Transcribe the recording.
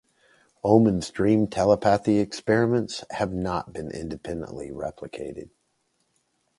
Ullman's dream telepathy experiments have not been independently replicated.